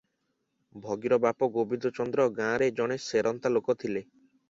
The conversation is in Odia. ଭଗିର ବାପ ଗୋବିନ୍ଦ ଚନ୍ଦ୍ର ଗାଁରେ ଜଣେ ସେରନ୍ତା ଲୋକ ଥିଲା ।